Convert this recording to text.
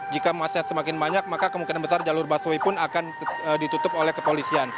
jika masanya semakin banyak maka kemungkinan besar jalur basui pun akan ditutupi